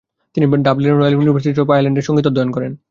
তিনি ডাবলিনের royal university of আয়ারল্যান্ডে সংগীত অধ্যয়ন করেন।